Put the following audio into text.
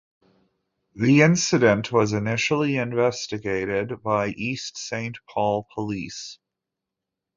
The incident was initially investigated by East Saint Paul police.